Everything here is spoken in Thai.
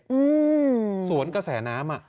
อืมสวนกระแสน้ำอ่ะ